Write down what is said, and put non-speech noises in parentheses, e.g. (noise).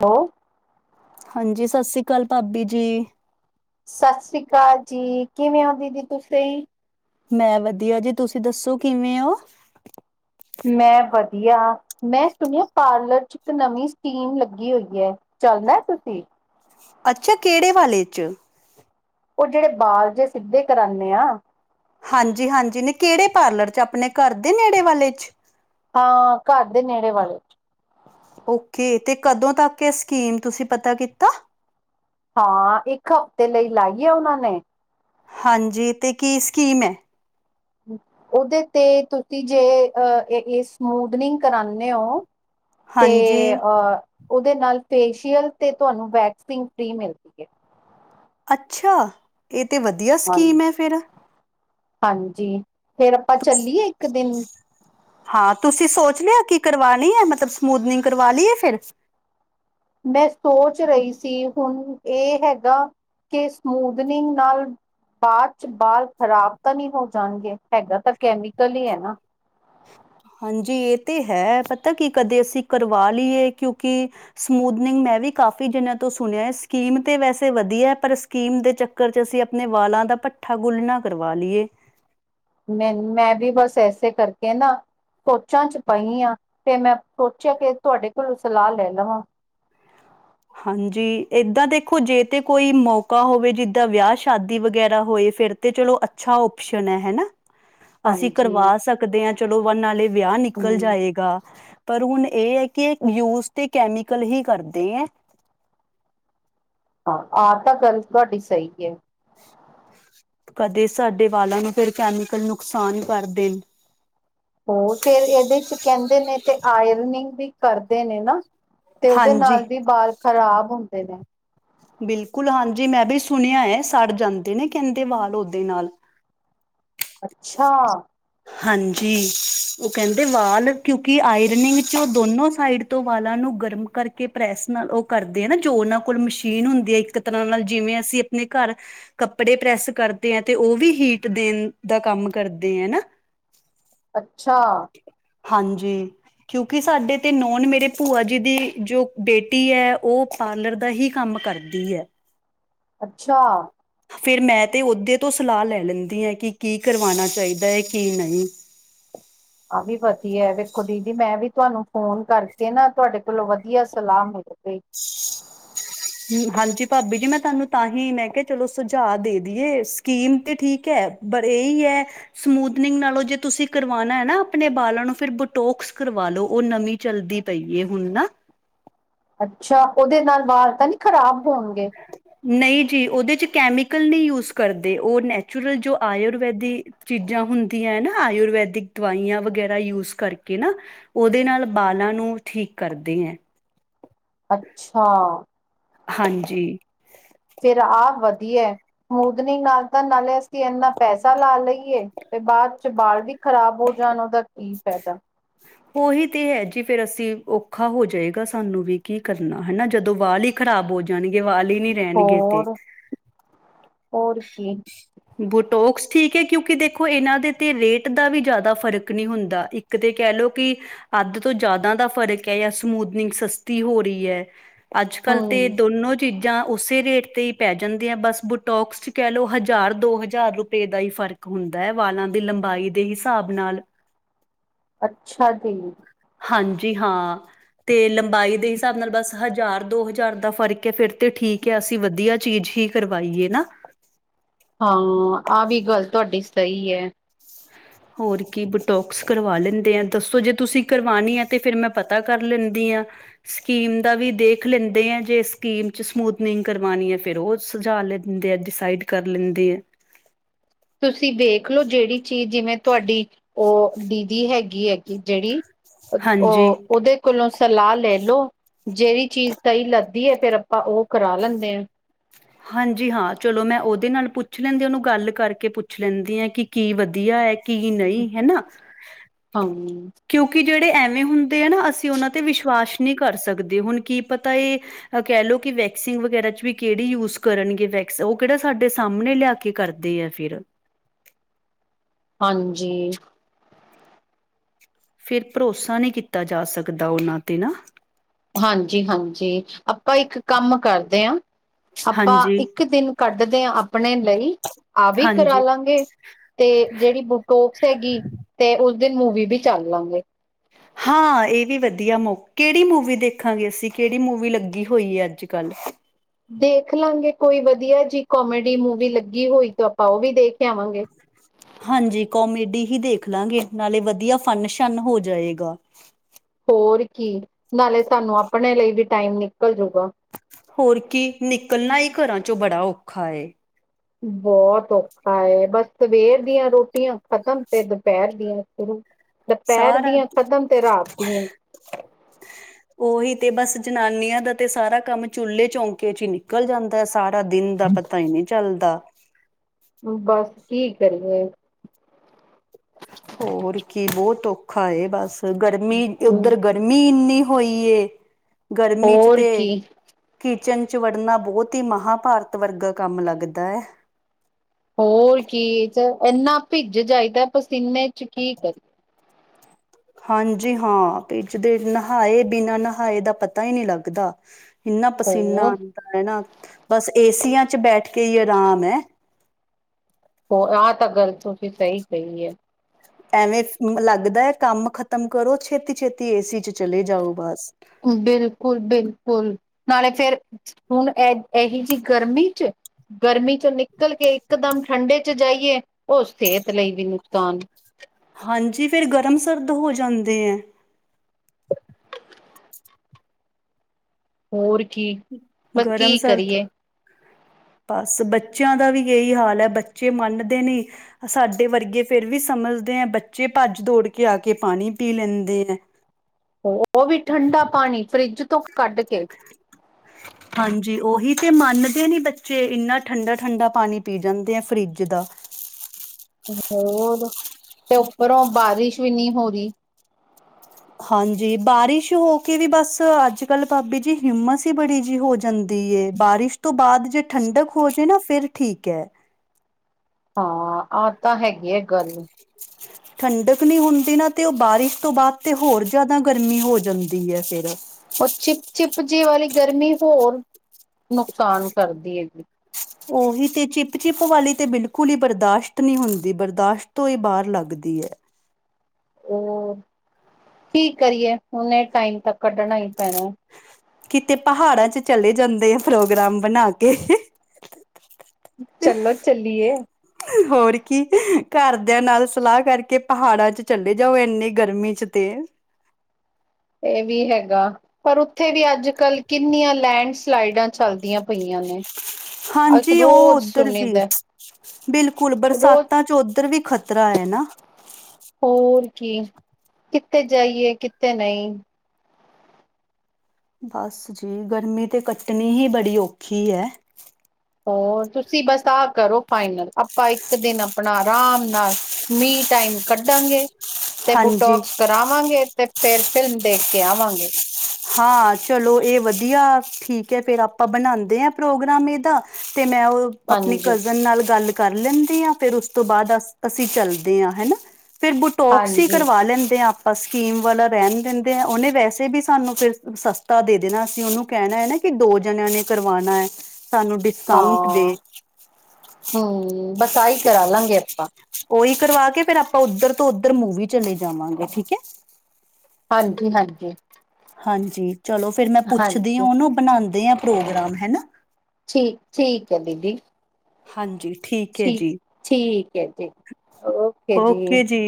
ੳਹ ਹਾਂਜੀ, ਸਤ ਸੀ਼੍ ਕਾਲ ਭਾਬੀ ਜੀ। ਸਸ ਰੀ ਕਾਲ ਜੀ, ਕਿਵੇਂ ੳ ਦੀਦੀ ਤੁਸੀ? ਮੈਂ ਵਧੀਆ ਜੀ ਤੁਸੀਂ ਦੱਸੋ ਕਿਵੇਂ ੳ? ਮੈਂ ਵਧੀਆ ਮੈਂ ਸੁਣਿਆ ਪਾਰਲਰ ਚ ਇੱਕ ਨਵੀਂ ਸਕੀਮ ਲੱਗੀ ਹੋਈ ਐ। ਚੱਲਨਾ ਤੁਸੀ? ਅੱਛਾ, ਕੇੜੇ ਵਾਲੇ ਚ? ੳਹ ਜੇੜੇ ਬਾਲ ਜੇ ਸਿੱਧੇ ਕਰਾਨੇ ਆ। ਹਾਂਜੀ- ਹਾਂਜੀ, ਨਈ ਕੇੜੇ ਪਾਰਲਰ ਚ, ਅਪਨੇ ਘਰ ਦੇ ਨੇੜੇ ਵਾਲੇ ਚ। ਹਾਂ, ਘਰ ਦੇ ਨੇੜੇ ਵਾਲੇ ਚ। ਓਕੇ, ਤੇ ਕਦੋਂ ਤੱਕ ਏ ਸਕੀਮ ਤੁਸੀਂ ਪਤਾ ਕੀਤਾ। ਹਾਂ ਇੱਕ ਹਫਤੇ ਲਈ ਲਾਈ ਏ ੳਨਾਂ ਨੇ। ਹਾਂਜੀ ਤੇ ਕੀ ਸਕੀਮ ਐ? ੳਦੇ ਤੇ ਤੁਸੀਂ ਜੇ ਅਹ ਏ ਸਮੂਦਨਿਗ ਕਰਾਣਦੇ ਓ ਤੇ ਹਾਂਜੀ ਅਹ ੳਦੇ ਨਾਲ ਫੇਸ਼ੀਅਲ ਤੇ ਤਾਨੂੰ ਵੈਕਸਿੰਗ ਫ੍ਰੀ ਮਿਲਦੀ ਏ। ਅੱਛਾ! ਏਹ ਤੇ ਵਧੀਆ ਹਾਂਜੀ ਸਕੀਮ ਏ ਫੇਰ। ਹਾਂਜੀ, ਫੇਰ ਆਪਾਂ ਚੱਲੀਏ ਇੱਕ ਦਿਨ। ਹਾਂ ਤੁਸੀ ਸੋਚ ਲੇਆ ਕੀ ਕਰਵਾਨੀ ਆ ਮਤਲਬ ਸਮੂਦਨਿੰਗ ਕਰਵਾ ਲਈਏ ਫੇਰ। ਮੈਂ ਸੋਚ ਰਹੀ ਸੀ ਹੁਣ ਏਹ ਹੈਗਾ ਕਿ ਸਮੂਦਨਿਂਗ ਨਾਲ ਬਾਦ ਚ ਬਾਲ ਖ਼ਰਾਬ ਤਾਂ ਨੀ ਹੋ ਜਾਣਗੇ, ਹੈਗਾ ਤਾਂ ਕੈਮੀਕਲ ਈ ਆ ਨਾ। ਹਾਂਜੀ ਏ ਤਾਂ ਹੈ ਪਤਾ ਕਿ ਕਦੇ ਅਸੀ ਕਰਵਾ ਲਈਏ ਕਿਉਂਕਿ ਸਮੂਦਨਿੰਗ ਮੈਂ ਵੀ ਕਾਫੀ ਜਨੇਆ ਤੋ ਸੁਣਿਆ ਸਕੀਮ ਤੇ ਵੈਸੇ ਵਧੀਆ ਆ ਪਰ ਸਕੀਮ ਦੇ ਚੱਕਰ ਚ ਅਸੀ ਅਪਨੇ ਵਾਲਾਂ ਦਾ ਭੱਠਾ ਗੁੱਲ ਨਾ ਕਰਵਾ ਲੀਏ। ਮੈਂ, ਮੈਂ ਵੀ ਬਸ ਐਸੇ ਕਰਕੇ ਨਾ ਸੋਚਾਂ ਚ ਪਈ ਆ ਤੇ ਮੈਂ ਸੋਚੇਆ ਕਿ ਤੁਹਾਡੇ ਕੋਲੋ ਸਲਾਹ ਲੈ ਲਵਾਂ। ਹਾਂਜੀ ਏਦਾਂ ਦੇਖੋ ਜੇ ਤੇ ਕੋਈ ਮੌਕਾ ਹੋਵੇ ਜਿੱਦਾਂ ਵਿਆਹ ਸ਼ਾਦੀ ਵਗੈਰਾ ਹੋਏ ਫੇਰ ਤੇ ਚਲੋ ਅੱਛਾ ਓਪਸ਼ਨ ਹੈ ਹੈਨਾ, ਅਸੀ ਹਾਂਜੀ ਕਰਵਾ ਸਕ ਸਕਦੇ ਆ ਚਲੋ ਵ ਨਾਲੇ ਵਿਆਹ ਨਿਕਲ ਹਮ ਜਾਏਗਾ ਪਰ ਹੁਨ ਏ ਹੈ ਕਿ ਏਹ ਯੂਜ ਤੇ ਕੈਮੀਕਲ ਹੀ ਕਰਦੇ ਐ। ਹਾਂ ਆਹ ਤਾਂ ਗੱਲ ਤੁਹਾਡੀ ਸਹੀ ਐ। ਕਦੇ ਸਾਡੇ ਵਾਲਾਂ ਨੂੰ ਫੇਰ ਕੈਮਿਕਲ ਨੁਕਸਾਨ ਕਰ ਦੇਨ। ਹੋਰ ਫੇਰ ਏਦੇ ਚ ਕੈਂਦੇ ਨੇ ਤੇ ਆੲਰਨਿੰਗ ਵੀ ਕਰਦੇ ਨੇ ਨਾ। ਤੇ ੳਦੇ ਨਾਲ ਹਾਂਜੀ ਵੀ ਬਾਲ ਖਰਾਬ ਹੁੰਦੇ ਨੇ। ਬਿਲਕੁਲ ਹਾਂਜੀ ਮੈਂ ਵੀ ਸੁਣਿਆ ਏ ਸੜ ਜਾਂਦੇ ਨੇ ਕੇਂਦੇ ਵਾਲ ੳਦੇ ਨਾਲ। ਅੱਛਾ! ਹਾਂਜੀ, ੳਹ ਕੈਂਦੇ ਵਾਲ ਕਿਉਂਕਿ ਆਇਰਨਿੰਗ ਚੋ ਦੋਨੋ ਸਾਈਡ ਤੋਂ ਵਾਲਾਂ ਨੂੰ ਗਰਮ ਕਰਕੇ ਪ੍ਰੈਸ ਨਾਲ ੳਹ ਕਰਦੇ ਆ ਨਾ ਜੋ ੳਨਾਂ ਕੋਲ ਮਸ਼ੀਨ ਹੁੰਦੀ ਹੈ ਇੱਕ ਤਰਾਂ ਨਾਲ ਜਿਵੇਂ ਅਸੀ ਅਪਨੇ ਘਰ ਕੱਪੜੇ ਪ੍ਰੈਸ ਕਰਦੇ ਆ ਤਾ ੳਵੀ ਹੀਟ ਦੇਨ ਦਾ ਕੰਮ ਕਰਦੇ ਆ ਨਾ। ਅੱਛਾ! ਹਾਂਜੀ। ਕਿਉਂਕਿ ਸਾਡੇ ਤੇ ਨੌਨ ਮੇਰੇ ਭੂਆ ਜੀ ਦੀ ਜੋ ਬੇਟੀ ਐ ੳਹ ਪਾਰਲਰ ਦਾ ਹੀ ਕੰਮ ਕਰਦੀ ਐ। ਅੱਛਾ। ਫੇਰ ਮੈਂ ਤੇ ਓਦੇ ਤੋਂ ਸਲਾਹ ਲੈ ਲੈਂਦੀ ਆ ਕਿ ਕਰਵਾਨਾ ਚਾਈਦਾ ਕੀ ਨਈ। ਆਹ ਵੀ ਵਧੀਆ ਵੇਖੋ ਦੀਦੀ ਮੈਂ ਵੀ ਤੁਹਾਨੂੰ ਫੋਨ ਕਰਕੇ ਨਾ ਤੁਹਾਡੇ ਕੋਲੋਂ ਵਧੀਆ ਸਲਾਹ ਮਿਲ ਗਈ। (inaudible) ਹਾਂਜੀ ਭਾਬੀ ਜੀ ਮੈਂ ਤੁਹਾਨੂੰ ਤਾਂਹੀ ਮੈਂ ਕਿਹਾ ਚਲੋ ਸੁਝਾਅ ਦੇ ਦਈਏ। ਸਕੀਮ ਤੇ ਠੀਕ ਹੈ ਪਰ ਇਹੀ ਹੈ। ਸਮੂਦਨਿੰਗ ਨਾਲੋਂ ਜੇ ਤੁਸੀਂ ਕਰਵਾਉਣਾ ਹੈ ਨਾ ਆਪਣੇ ਬਾਲਾਂ ਨੂੰ ਫਿਰ ਬੋਟੋਕਸ ਕਰਵਾ ਲੋ ਉਹ ਨਵੀਂ ਚਲਦੀ। ਪਈ ਏ ਹੁਣ ਨਾ ਅੱਛਾ ਉਹਦੇ ਨਾਲ ਵਾਲ ਤਾਂ ਨਹੀਂ ਖ਼ਰਾਬ ਹੋਣਗੇ। ਨਹੀਂ ਜੀ ਉਹਦੇ ਚ ਕੈਮੀਕਲ ਨਹੀਂ ਯੂਜ ਕਰਦੇ ਉਹ ਨੈਚੁਰਲ ਜੋ ਆਯੁਰਵੈਦੀ। ਚੀਜ਼ਾਂ ਹੁੰਦੀਆਂ ਨਾ ਆਯੁਰਵੈਦਿਕ ਦਵਾਈਆਂ ਵਗੈਰਾ ਯੂਜ ਕਰਕੇ ਨਾ। ਉਹਦੇ ਨਾਲ ਬਾਲਾਂ ਨੂੰ ਠੀਕ ਕਰਦੇ ਹੈ। ਅੱਛਾ। ਹਾਂਜੀ। ਫਿਰ ਆਹ ਵਧੀਆ। ਸਮੂਦਨਿੰਗ ਨਾਲ ਤਾਂ ਨਾਲੇ ਅਸੀਂ ਇੰਨਾ ਪੈਸਾ ਲਾ ਲਈਏ ਤੇ ਬਾਅਦ ਚ ਬਾਲ ਵੀ ਖ਼ਰਾਬ ਹੋ ਜਾਣ ਉਹਦਾ ਕੀ ਫਾਇਦਾ। ਉਹੀ ਤੇ ਹੈ ਜੀ ਫੇਰ ਅਸੀਂ ਔਖਾ ਹੋ ਜਾਏਗਾ ਸਾਨੂੰ ਵੀ ਕੀ ਕਰਨਾ ਹਨਾ ਜਦੋਂ ਵਾਲ ਈ ਖ਼ਰਾਬ ਹੋ ਜਾਣਗੇ ਵਾਲ ਹੀ ਨੀ ਹੋਰ ਹੋਰ ਕੀ‌ ਬੁਟੋਕਸ ਠੀਕ ਹੈ ਕਿਉਂਕਿ ਦੇਖੋ ਇਹਨਾਂ ਦੇ ਤੇ ਰੇਟ ਦਾ ਵੀ ਜ਼ਿਆਦਾ ਫ਼ਰਕ ਨਹੀਂ ਹੁੰਦਾ। ਇਕ ਤੇ ਕਹਿ ਲਓ ਕਿ ਅੱਧ ਤੋਂ ਜ਼ਿਆਦਾ ਦਾ ਫ਼ਰਕ ਹੈ ਜਾਂ ਸਮੂਦਨਿੰਗ ਸਸਤੀ ਹੋ ਰਹੀ ਹੈ। ਅੱਜ ਕੱਲ੍ਹ ਤੇ ਹੂੰ ਦੋਨੋ ਚੀਜ਼ਾਂ ਉਸੇ ਰੇਟ ਤੇ ਹੀ ਪੈ ਜਾਂਦੀਆਂ ਬਸ ਬੁਟੋਕਸ ਚ ਕਹਿ ਲਓ ਹਜ ਚਾਰ ਦੋ ਹਜ਼ਾਰ ਰੁਪਏ ਦਾ ਹੀ ਫ਼ਰਕ ਹੁੰਦਾ ਹੈ ਵਾਲਾਂ ਦੀ ਲੰਬਾਈ ਦੇ ਹਿਸਾਬ ਨਾਲ। ਅੱਛਾ ਜੀ। ਹਾਂਜੀ ਹਾਂ। ਤੇ ਲੰਬਾਈ ਦੇ ਹਿਸਾਬ ਨਾਲ ਬਸ ਹਜ਼ਾਰ ਦੋ ਹਜ਼ਾਰ ਦਾ ਫ਼ਰਕ ਹੈ ਫਿਰ ਤੇ ਠੀਕ ਹੈ ਅਸੀਂ ਵਧੀਆ ਚੀਜ਼ ਹੀ। ਕਰਵਾਈ ਏ ਨਾ। ਹਾਂ ਆਹ ਵੀ ਗੱਲ ਤੁਹਾਡੀ ਸਹੀ ਹੈ। ਹੋਰ ਕੀ ਬਟੋਕਸ ਕਰਵਾ ਲੈਂਦੇ ਆ ਦੱਸੋ ਜੇ ਤੁਸੀਂ ਕਰਵਾਉਣੀ ਆ ਤਾਂ ਫਿਰ ਮੈਂ ਪਤਾ ਕਰ ਲੈਂਦੀ ਹਾਂ। ਸਕੀਮ ਦਾ ਵੀ ਦੇਖ ਲੈਂਦੇ ਆ ਜੇ ਸਕੀਮ ਚ ਸਮੂਦਨਿੰਗ ਕਰਵਾਉਣੀ ਹੈ ਫੇਰ ਉਹ ਸਜਾ ਲ। ਦੇ ਆ ਡਿਸਾਈਡ ਕਰ ਲੈਂਦੇ ਆ। ਤੁਸੀਂ ਵੇਖ ਲਓ ਜਿਹੜੀ ਚੀਜ਼ ਜਿਵੇਂ ਤੁਹਾਡੀ ਉਹ ਦੀਦੀ ਹੈਗੀ ਏ ਕਿ ਜਿਹੜੀ ਹਾਂਜੀ ਉਹ ਉਹਦੇ ਕੋਲੋਂ ਸਲਾਹ ਲੈ ਲਓ ਜਿਹੜੀ ਚੀਜ਼ ਸਹੀ ਲੱਗਦੀ ਹੈ ਫੇਰ ਆਪਾਂ ਉਹ ਕਰਾ ਲੈਂਦੇ ਹਾਂ। ਹਾਂਜੀ ਹਾਂ ਚਲੋ ਮੈ ਉਹਦੇ ਨਾਲ ਪੁੱਛ ਲੈਂਦੀ ਉਹਨੂੰ ਗੱਲ ਕਰਕੇ ਪੁੱਛ ਲੈਂਦੀ ਹਾਂ ਕਿ ਵਧੀਆ ਏ ਕੀ ਨਈ ਹਨਾ। ਹਾਂ ਕਿਉਂਕਿ ਜਿਹੜੇ ਐਵੇਂ ਹੁੰਦੇ ਆ ਨਾ ਅਸੀਂ ਉਹਨਾਂ ਤੇ ਵਿਸ਼ਵਾਸ ਨਹੀਂ ਕਰ ਸਕਦੇ ਹੁਣ ਕੀ ਪਤਾ ਇਹ ਕਹਿ ਲਓ ਕਿ ਵੈਕਸਿੰਗ ਵਗੈਰਾ ਚ ਵੀ ਕਿਹੜੀ ਯੂਜ ਕਰਨਗੇ ਵੈਕਸ ਉਹ ਕਿਹੜਾ ਸਾਡੇ ਸਾਹਮਣੇ ਲਿਆ ਕੇ ਕਰਦੇ ਆ ਫਿਰ। ਹਾਂਜੀ। ਫਿਰ ਭਰੋਸਾ ਨਹੀਂ ਕੀਤਾ ਜਾ ਸਕਦਾ ਉਹਨਾਂ ਤੇ ਨਾ। ਹਾਂਜੀ ਹਾਂਜੀ ਆਪਾਂ ਇੱਕ ਕੰਮ ਕਰਦੇ ਹਾਂ ਆਪਾਂ ਹਾਂਜੀ ਇੱਕ ਦਿਨ ਕੱਢਦੇ ਆ ਆਪਣੇ ਲਈ ਆ ਵੀ ਕਰਾ ਹਾਂਜੀ ਲਾਂਗੇ। ਤੇ ਜਿਹੜੀ ਬੁਟੋਕਸ ਹੈਗੀ ਤੇ ਉਸ ਦਿਨ ਮੂਵੀ ਵੀ ਚੱਲ ਲਾਂਗੇ। ਹਾਂ ਇਹ ਵੀ ਵਧੀਆ ਮ ਕਿਹੜੀ ਮੂਵੀ ਦੇਖਾਂਗੇ ਅਸੀਂ ਕਿਹੜੀ ਮੂਵੀ ਲੱਗੀ ਹੋਈ ਹੈ ਅੱਜ ਕੱਲ੍ਹ। ਦੇਖ ਲਾਂਗੇ ਕੋਈ ਵਦੀਆ ਜੀ ਕੋਮੇਡੀ ਮੂਵੀ ਲੱਗੀ ਹੋਈ ਤਾਂ ਆਪਾਂ ਓ ਵੀ ਦੇਖ ਆਵਾਂਗੇ। ਹਾਂਜੀ ਕੋਮੇਡੀ ਹੀ ਦੇਖ ਲਾਂਗੇ ਨਾਲੇ ਵਦੀਆ ਫਨ ਸ਼ਨ ਹੋ ਜਾਏਗਾ। ਹੋਰ ਕੀ ਨਾਲੇ ਸਾਨੂੰ ਆਪਣੇ ਲਈ ਵੀ ਟਾਈਮ ਨਿਕਲ ਜੂਗਾ। ਹੋਰ ਕੀ ਨਿਕਲਨਾ ਈ ਘਰਾਂ ਚੋਂ ਬੜਾ ਔਖਾ ਏ। ਬੋਤ ਔਖਾ ਏ ਬਸ ਸਵੇਰ ਦੀਆਂ ਰੋਟੀਆਂ ਖਤਮ ਤੇ ਦੁਪੈਰ ਦੀਆਂ ਸ਼ੁਰੂ। ਦੁਪੈਰ ਸਾਰਾ ਦੀਆਂ ਕਦਮ ਤੇ ਰਾਤ ਦੀਆਂ ਓਹੀ ਤੇ ਬਸ ਜਨਾਨੀਆਂ ਦਾ ਤੇ ਸਾਰਾ ਕੰਮ ਚੁੱਲ੍ਹੇ ਚੌਂਕੇ 'ਚ ਈ ਨਿਕਲ ਜਾਂਦੈ। ਸਾਰਾ ਦਿਨ ਦਾ ਪਤਾ ਈ ਨੀ ਚੱਲਦਾ। ਬਸ ਕੀ ਕਰੀਏ ਹੋਰ ਕੀ ਬੋਤ ਔਖਾ ਏ ਬਸ ਗਰਮੀ ਓਧਰ ਗਰ ਗਰਮੀ ਇੰਨੀ ਹੋਈ ਏ ਗਰਮੀ 'ਚ ਹੋਰ ਤੇ ਕੀ ਕਿਚਨ 'ਚ ਵੱੜਨਾ ਬੋਤ ਈ ਮਹਾਂਭਾਰਤ ਵਰਗਾ ਕੰਮ ਲੱਗਦਾ ਐ। ਹੋਰ ਕੀ 'ਚ ਇੰਨਾ ਭਿੱਜ ਜਾਈਦਾ ਪਸੀਨੇ 'ਚ ਕੀ ਕਰੀਏ। ਹਾਂਜੀ ਹਾਂਭਿੱਜਦੇ ਨਹਾਏ ਬਿਨਾਂ ਨਹਾਏ ਦਾ ਪਤਾ ਈ ਨੀ ਲੱਗਦਾ। ਇੰਨਾ ਪਸੀਨਾ ਆਂਦਾ ਐ ਨਾ ਬਸ ਏਸੀਆਂ 'ਚ ਬੈਠ ਕੇ ਈ ਆਰਾਮ ਐ। ਹੋ ਆਹ ਤਾਂ ਗੱਲ ਤੁਸੀ ਸਈ ਕਈ ਏ। ਐਵੇਂ ਫ ਲੱਗਦਾ ਕੰਮ ਖਤਮ ਕਰੋ ਛੇਤੀ-ਛੇਤੀ ਏਸੀ 'ਚ ਚਲੇ ਜਾਓ ਬਸ। ਬਿਲਕੁਲ-ਬਿਲਕੁਲ ਨਾਲੇ ਫੇਰ ਹੁਣ ਐ ਐਹੀ ਜੀ ਗਰਮੀ 'ਚ ਗਰਮੀ ਚ ਨਿ ਨਿਕਲ ਕੇ ਇਕਦਮ ਠੰਡੇ 'ਚ ਜਾਈਏ। ਓ ਸੇਹਤ ਲਈ ਵੀ ਨੁਕਸਾਨ। ਹਾਂਜੀ ਫਿਰ ਗਰਮ ਸਰਦ ਹੋ ਜਾਂਦੇ ਐ। ਹੋਰ ਕੀ। ਬਸ ਕੀ ਗਰਮ-ਸਰਦ ਕਰੀਏ ਬਸ ਬੱਚੇਆਂ ਦਾ ਵੀ ਏਈ ਹਾਲ ਐ, ਬੱਚੇ ਮੰਨਦੇ ਨੀ। ਸਾਡੇ ਵਰਗੇ ਫਿਰ ਵੀ ਸਮਝਦੇ ਆ, ਬੱਚੇ ਭੱਜ ਦੌੜ ਕੇ ਆ ਕੇ ਪਾਣੀ ਪੀ ਲੈਂਦੇ ਐ। ਓ ਵੀ ਠੰਢਾ ਪਾਣੀ ਫਰਿੱਜ ਤੋਂ ਕੱਢ ਕੇ। ਹਾਂਜੀ ਓਹੀ ਤੇ ਮੰਨਦੇ ਨੀ ਬੱਚੇ ਇੰਨਾ ਠੰਡਾ-ਠੰਡਾ ਪਾਨੀ ਪੀ ਜਾਂਦੇ ਐ ਫਰਿੱਜ ਦਾ। ਹੋਰ ਤੇ ਉੱਪਰੋਂ ਬਾਰਿਸ਼ ਵੀ ਨੀ ਹੋ ਰੀ। ਹਾਂਜੀ ਬਾਰਿਸ਼ ਹੋ ਕੇ ਵੀ ਬਸ ਅੱਜ-ਕੱਲ ਭਾਬੀ ਜੀ ਹਿੰਮਸ ਹੀ ਬੜੀ ਜੀ ਹੋ ਜਾਂਦੀ ਏ ਬਾਰਿਸ਼ ਤੋਂ ਬਾਦ ਜੇ ਠੰਡਕ ਹੋ ਜੇ ਨਾਂ ਫਿਰ ਠੀਕ ਐ। ਹਾਂ ਆਹ ਤਾਂ ਹੈਗੀ ਐ ਗੱਲ। (inaudible) ਠੰਡਕ ਨਈ ਹੁੰਦੀ ਨਾ ਤੇ ਓ ਬਾਰਿਸ਼ ਤੋ ਬਾਦ ਤੇ ਹੋਰ ਜਾਦਾ ਗਰਮੀ ਹੋ ਜਾਂਦੀ ਐ ਫਿਰ। ਓ ਚਿਪ-ਚਿਪ ਜੀ ਵਾਲੀ ਗਰਮੀ ਹੋਰ ਨੁਕਸਾਨ ਕਰਦੀ ਹੈਗੀ। ਓਹੀ ਤੇ ਚਿਪ-ਚਿਪ ਵਾਲੀ ਤੇ ਬਿਲਕੁਲ ਈ ਬਰਦਾਸ਼ਤ ਨੀ ਹੁੰਦੀ ਬਰਦਾਸ਼ਤ ਤੋਂ ਈ ਬਾਰ ਲੱਗਦੀ ਐ। ਹੋਰ, ਕੀ ਕਰੀਏ ਹੁਨ ਐ ਟਾਈਮ ਤੇ ਕੱਢਣਾ ਈ ਪੈਣਾ। ਕਿਤੇ ਪਹਾੜਾਂ 'ਚ ਚਲੇ ਜਾਂਦੇ ਆ ਪ੍ਰੋਗਰਾਮ ਬਨਾ ਕੇ। ਚੱਲੋ ਚੱਲੀਏ। ਹੋਰ ਕੀ ਘਰ ਦਿਆਂ ਨਾਲ ਸਲਾਹ ਕਰਕੇ ਪਹਾੜਾਂ 'ਚ ਚਲੇ ਜਾਓ ਏਨੀਂ ਗਰਮੀ 'ਚ ਤੇ। ਏ ਵੀ ਹੈਗਾ। ਪਰ ਉੱਥੇ ਵੀ ਅੱਜ-ਕੱਲ ਕਿੰਨੀਆਂ ਲੈਂਡਸਲਾਈਡਾਂ ਚੱਲਦੀਆਂ ਪਈਆਂ ਨੇਂ। ਹਾਂਜੀ ਓ ਓਧਰ ਵੀ ਬਿਲਕੁਲ ਰੋਜ਼ ਬਰਸਾਤਾਂ 'ਚ ਓਧਰ ਵੀ ਖਤ ਤਰਾ ਐ ਨਾ। ਹੋਰ ਕੀ, ਕਿਥੇ ਜਾਈਏ, ਕਿੱਥੇ ਨਹੀਂ। ਬਸ ਜੀ, ਗਰਮੀਂ ਤੇ ਕੱਟਣੀ ਹੀ ਬੜੀ ਔਖੀ ਐ। ਹੋਰ ਤੁਸੀਂ ਬਸ ਆਹ ਕਰੋ ਫਾਈਨਲ, ਆਪਾਂ ਇੱਕ ਦਿਨ ਆਪਣਾ ਅਰਾਮ ਨਾਲ ਮੀ ਟਾਈਮ ਕੱਢਾਂਗੇ। ਤੇ ਹਾਂਜੀ ਬੁਟੋਕਸ ਕਰਾਵਾਂਗੇ ਤੇ ਫੇਰ ਫਿਲਮ ਦੇਖ ਕੇ ਆਵਾਂਗੇ। ਹਾਂ, ਚਲੋ ਇਹ ਵਧੀਆ ਠੀਕ ਐ, ਫਿਰ ਆਪਾਂ ਬਣਾਦੇ ਆ ਪ੍ਰੋਗਰਾਮ ਇਹਦਾ। ਤੇ ਮੈ ਓ ਆਪਣੀ ਹਾਂਜੀ ਕਜ਼ਨ ਨਾਲ ਗੱਲ ਕਰ ਲੈਂਦੇ ਆ, ਫਿਰ ਉਸ ਤੋਂ ਬਾਅਦ ਅਸੀਂ ਚਲਦੇ ਹਾਂ ਹਨਾ। ਫਿਰ ਬੁਟੋਕਸੀ ਹਾਂਜੀ ਕਰਵਾ ਲੈਂਦੇ ਆ ਆਪਾਂ, ਸਕੀਮ ਵਾਲਾ ਰਹਿਣ ਦਿੰਦੇ ਆ, ਉਹਨੇ ਵੈਸੇ ਵੀ ਸਾਨੂੰ ਫਿਰ ਸਸਤਾ ਦੇ ਦੇਣਾ, ਅਸੀਂ ਉਹਨੂੰ ਕਹਿਣਾ ਆ ਕਿ ਦੋ ਜਣਿਆਂ ਨੇ ਕਰਵਾਣਾ ਐ ਸਾਨੂੰ ਡਿਸ ਹਾਂ, ਹੂੰ ਬਸ ਆਹੀ ਕਰਾ ਲਾਂਗੇ ਆਪਾਂ। ਓਹੀ ਕਰਵਾ ਕੇ ਫਿਰ ਆਪਾਂ ਉੱਧਰ ਤੋਂ ਉਧਰ ਮੂਵੀ ਚਲੇ ਜਾਵਾਂਗੇ, ਠੀਕ ਐ। ਹਾਂਜੀ -ਹਾਂਜੀ। ਹਾਂਜੀ, ਚਲੋ ਫਿਰ ਮੈਂ ਪੁੱਛਦੀ ਆ ਹਾਂਜੀ ਓਨੂੰ, ਫਿਰ ਬਣਾਦੇ ਆ ਪ੍ਰੋਗਰਾਮ, ਹੈਨਾ। ਠੀਕ - ਠੀਕ ਐ, ਦੀਦੀ। ਹਾਂਜੀ, ਠੀਕ ਐ ਜੀ। ਠੀਕ ਐ ਜੀ, ਓਕੇ। ਓਕੇ ਜੀ।